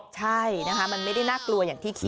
ใช่นะคะมันไม่ได้น่ากลัวอย่างที่คิด